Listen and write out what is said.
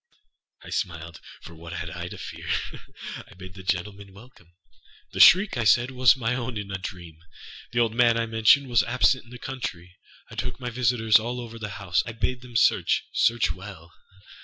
I smiled, âfor what had I to fear? I bade the gentlemen welcome. The shriek, I said, was my own in a dream. The old man, I mentioned, was absent in the country. I took my visitors all over the house. I bade them searchâsearch well.